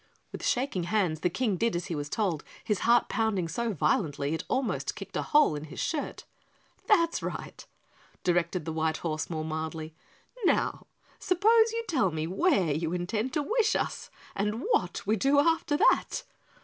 With shaking hands the King did as he was told, his heart pounding so violently it almost kicked a hole in his shirt. "That's right," directed the white horse more mildly. "Now suppose you tell me where you intend to wish us and what we do after that?